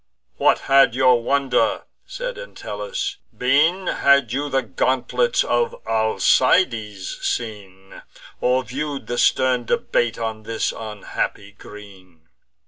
"What had your wonder," said Entellus, "been, Had you the gauntlets of Alcides seen, Or view'd the stern debate on this unhappy green!